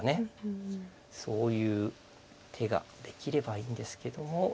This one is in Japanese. そういう手ができればいいんですけども。